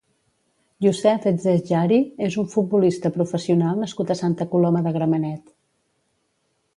Youssef Ezzejjari és un futbolista professional nascut a Santa Coloma de Gramenet.